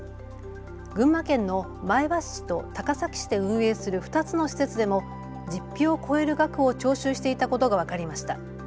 群馬県の前橋市と高崎市で運営する２つの施設でも実費を超える額を徴収していたことが分かりました。